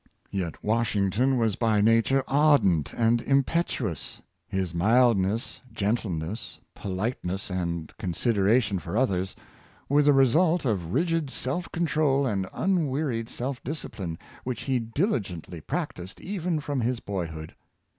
Yet Washington was by nature ardent and impetuous; his mildness, gentleness, politeness and consideration for others, were the result of rigid self control and unwear ied self discipline, which he diligently practiced even from his boyhood.